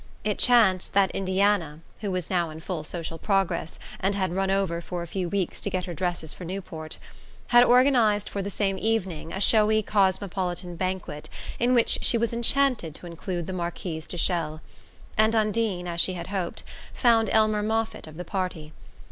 It chanced that Indiana (who was now in full social progress, and had "run over" for a few weeks to get her dresses for Newport) had organized for the same evening a showy cosmopolitan banquet in which she was enchanted to include the Marquise de Chelles; and Undine, as she had hoped, found Elmer Moffatt of the party.